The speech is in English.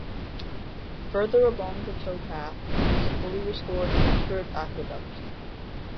Further along the towpath is the fully restored Midford Aqueduct.